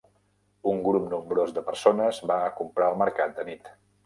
Un grup nombrós de persones va a comprar al mercat de nit.